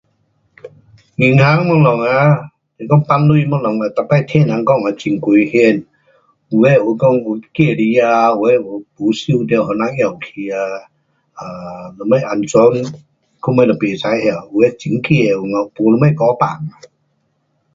银行东西啊是讲放钱东西因为每次听人讲很危险。有的有讲有寄来啊，有的有，有收到给人用去啊。um 有什安全什东西不知晓，有的很怕没什么敢放啊。